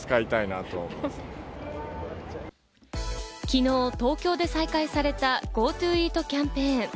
昨日、東京で再開されたＧｏＴｏＥａｔキャンペーン。